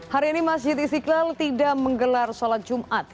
hari ini masjid istiqlal tidak menggelar sholat jumat